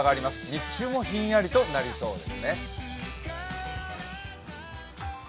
日中もひんやりとなりそうですね。